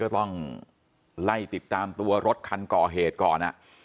ต้องไล่ติดตามตัวรถคันก่อเหตุก่อน